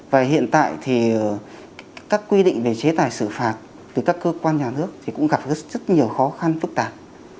và hiện tại thì các quy định về chế tài xử phạt từ các cơ quan nhà nước thì cũng gặp rất nhiều khó khăn phức tạp